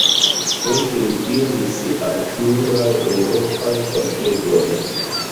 Poste li iris al pluraj eŭropaj kortegoj.